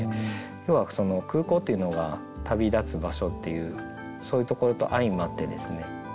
要は空港っていうのが旅立つ場所っていうそういうところと相まってですね